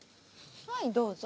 はいどうぞ。